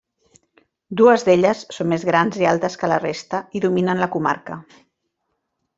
Dues d'elles són més grans i altes que la resta i dominen la comarca.